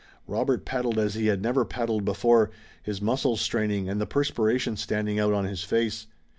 Robert paddled as he had never paddled before, his muscles straining and the perspiration standing out on his face.